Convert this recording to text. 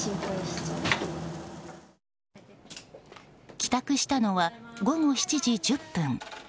帰宅したのは午後７時１０分。